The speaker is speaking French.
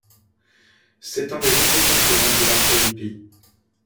C'est un des nombreux concurrents du Raspberry Pi.